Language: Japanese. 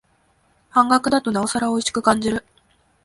半額だとなおさらおいしく感じる